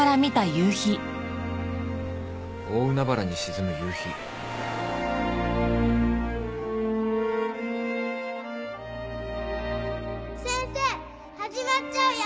大海原に沈む夕日先生始まっちゃうよ早く早く！